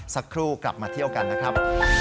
สักครู่กลับมาเที่ยวกันนะครับ